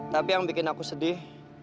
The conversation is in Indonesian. tapi yang bikin aku sedih